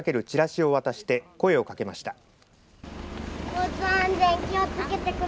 チラシを渡して声をかけました。